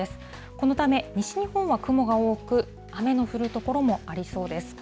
このため、西日本は雲が多く、雨の降る所もありそうです。